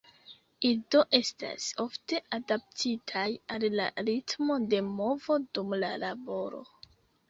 Ili do estas ofte adaptitaj al la ritmo de movo dum la laboro.